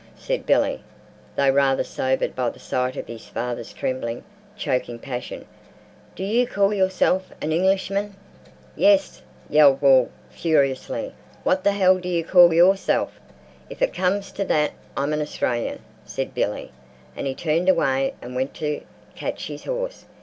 said Billy, though rather sobered by the sight of his father's trembling, choking passion, "do you call yourself an Englishman?" "Yes!" yelled Wall, furiously. "What the hell do you call yourself?" "If it comes to that I'm an Australian," said Billy, and he turned away and went to catch his horse.